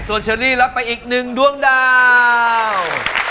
ส่วนเชอรี่รับไปอีก๑ด้วงดาว